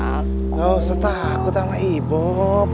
gak usah takut sama ibub